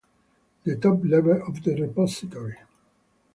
the top level of the repository